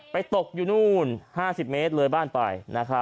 ตกอยู่นู่น๕๐เมตรเลยบ้านไป